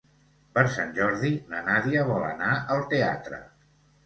Per Sant Jordi na Nàdia vol anar al teatre.